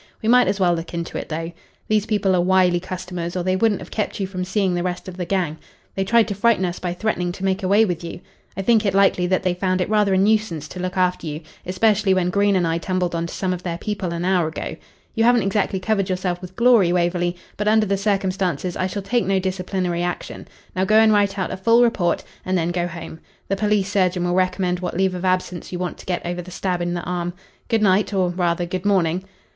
We might as well look into it, though. These people are wily customers, or they wouldn't have kept you from seeing the rest of the gang. They tried to frighten us by threatening to make away with you. I think it likely that they found it rather a nuisance to look after you especially when Green and I tumbled on to some of their people an hour ago. You haven't exactly covered yourself with glory, Waverley, but under the circumstances I shall take no disciplinary action. Now go and write out a full report, and then go home. The police surgeon will recommend what leave of absence you want to get over the stab in the arm. Good night or rather, good morning."